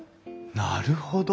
なるほど。